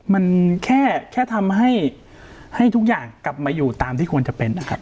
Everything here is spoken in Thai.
มันแค่แค่ทำให้ทุกอย่างกลับมาอยู่ตามที่ควรจะเป็นนะครับ